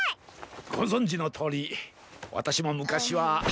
ごぞんじのとおりわたしもむかしは。